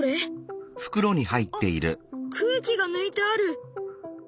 あっ空気が抜いてある。